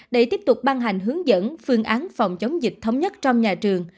để tiếp tục ban hành hướng dẫn phương án phòng chống dịch thống nhất trong nhà trường